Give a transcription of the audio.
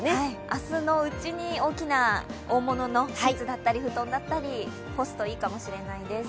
明日のうちに大きな、大物のシーツだったり、布団だったり、干すといいかもしれないです。